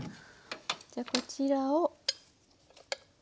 じゃあこちらを。